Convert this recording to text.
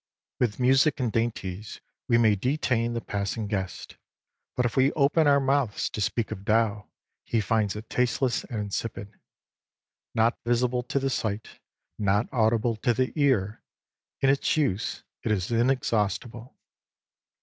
21 With music and dainties we may detain the passing guest. But if we open our mouths to speak of Tao, he finds it tasteless and insipid. Not visible to the sight, not audible to the ear, in its use it is inexhaustible.